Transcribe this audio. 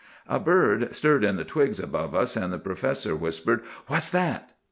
"A bird stirred in the twigs above us, and the professor whispered, 'What's that?